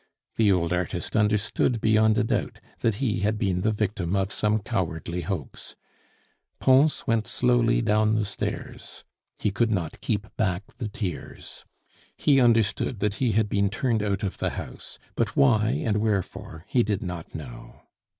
The old artist understood beyond a doubt that he had been the victim of some cowardly hoax. Pons went slowly down the stairs; he could not keep back the tears. He understood that he had been turned out of the house, but why and wherefore he did not know.